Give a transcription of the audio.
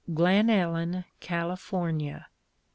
GLEN ELLEN, CALIFORNIA.